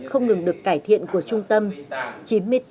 không ngừng được cải thiện của trung tâm